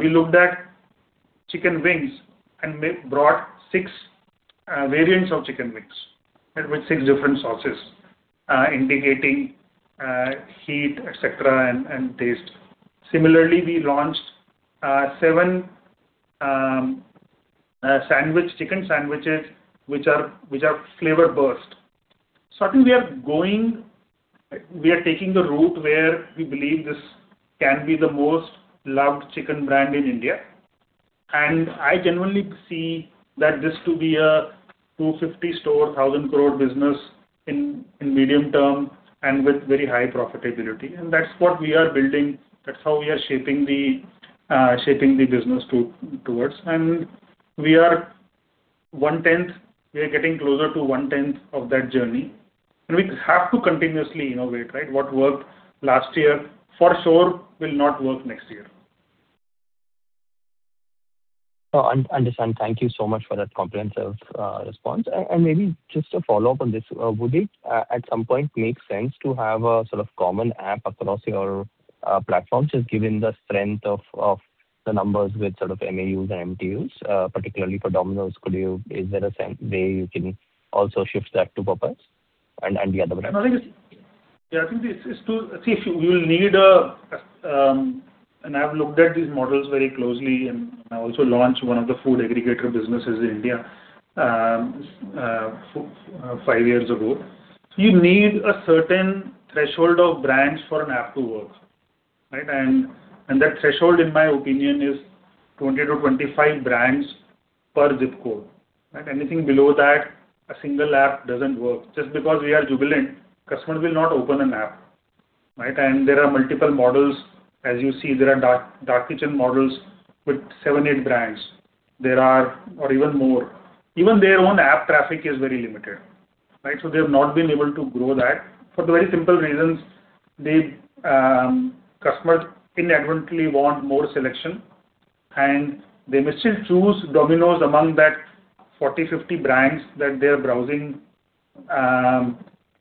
we looked at chicken wings and brought six variants of chicken wings with six different sauces indicating heat, etc., and taste. Similarly, we launched seven chicken sandwiches which are Flavor Burst. So I think we are taking the route where we believe this can be the most loved chicken brand in India. And I genuinely see that this to be a 250-store, 1,000 crore business in medium term and with very high profitability. And that's what we are building. That's how we are shaping the business towards. And we are one-tenth. We are getting closer to one-tenth of that journey. And we have to continuously innovate, right? What worked last year for sure will not work next year. Oh, understand. Thank you so much for that comprehensive response. Maybe just a follow-up on this, would it at some point make sense to have a sort of common app across your platform just given the strength of the numbers with sort of MAUs and MTUs, particularly for Domino's? Is there a way you can also shift that to Popeyes and the other brands? Yeah. I think this is to see if you will need a and I've looked at these models very closely. I also launched one of the food aggregator businesses in India 5 years ago. You need a certain threshold of brands for an app to work, right? That threshold, in my opinion, is 20-25 brands per ZIP code, right? Anything below that, a single app doesn't work. Just because we are Jubilant, customers will not open an app, right? There are multiple models. As you see, there are dark kitchen models with 7, 8 brands. There are even more. Even their own app traffic is very limited, right? They have not been able to grow that for the very simple reasons. Customers inadvertently want more selection, and they may still choose Domino's among that 40, 50 brands that they are browsing.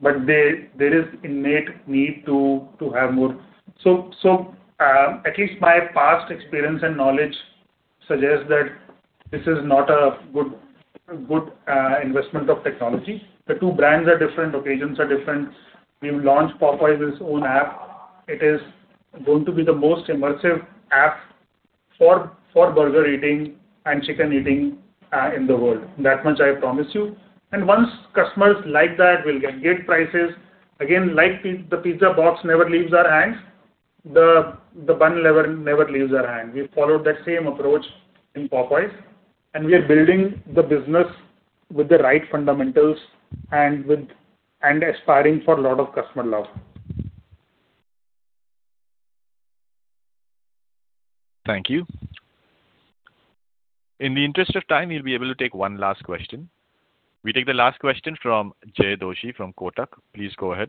But there is innate need to have more. So at least my past experience and knowledge suggests that this is not a good investment of technology. The two brands are different. Occasions are different. We've launched Popeyes' own app. It is going to be the most immersive app for burger eating and chicken eating in the world. That much, I promise you. And once customers like that, we'll get good prices. Again, like the pizza box never leaves our hands, the bun never leaves our hand. We followed that same approach in Popeyes. And we are building the business with the right fundamentals and aspiring for a lot of customer love. Thank you. In the interest of time, we'll be able to take one last question. We take the last question from Jay Doshi from Kotak. Please go ahead.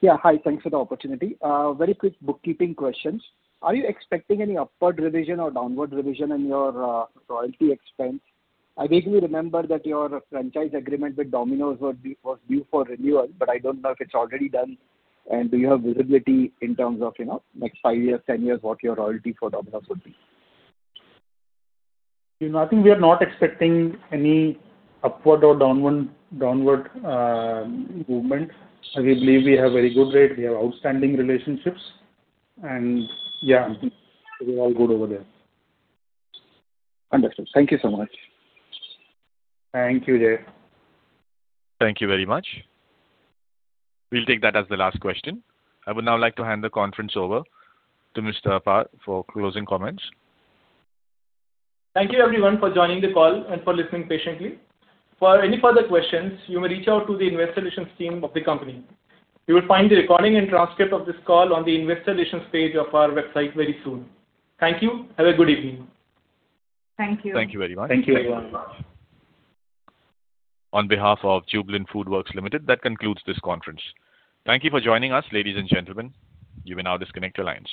Yeah. Hi. Thanks for the opportunity. Very quick bookkeeping questions. Are you expecting any upward revision or downward revision in your royalty expense? I vaguely remember that your franchise agreement with Domino's was due for renewal, but I don't know if it's already done. And do you have visibility in terms of next five years, 10 years, what your royalty for Domino's would be? I think we are not expecting any upward or downward movement. We believe we have a very good rate. We have outstanding relationships. Yeah, we're all good over there. Understood. Thank you so much. Thank you, Jay. Thank you very much. We'll take that as the last question. I would now like to hand the conference over to Mr. Apar Saraswat for closing comments. Thank you, everyone, for joining the call and for listening patiently. For any further questions, you may reach out to the Invest Solutions team of the company. You will find the recording and transcript of this call on the Investor Relations page of our website very soon. Thank you. Have a good evening. Thank you. Thank you very much. Thank you very much. On behalf of Jubilant FoodWorks Limited, that concludes this conference. Thank you for joining us, ladies and gentlemen. You may now disconnect your lines.